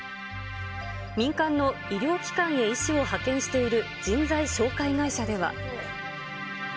民間の医療機関へ医師を派遣している人材紹介会社では。